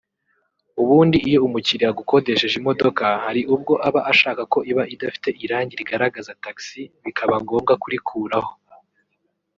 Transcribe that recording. “Ubundi iyo umukiriya agukodesheje imodoka hari ubwo aba ashaka ko iba idafite irangi rigaragaza taxi bikaba ngombwa kurikuraho